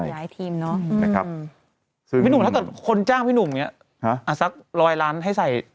ใช่นะครับพี่หนุ่มถ้าเกิดคนจ้างพี่หนุ่มเนี่ยสัก๑๐๐๐๐๐บาทให้ใส่